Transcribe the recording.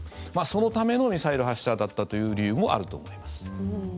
そのためのミサイル発射だったという理由もあると思います。